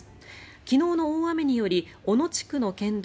昨日の大雨により小野地区の県道